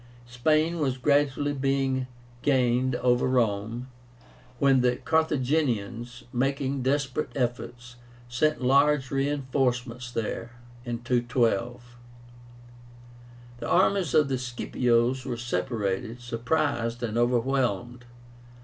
Spain was gradually being gained over to Rome, when the Carthaginians, making desperate efforts, sent large reinforcements there (212). The armies of the Scipios were separated, surprised, and overwhelmed.